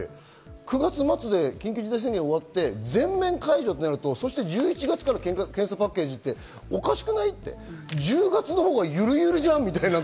９月末で緊急事態宣言が終わって全面解除となると、１１月から検査パッケージっておかしくない？と１０月ゆるゆるじゃんと。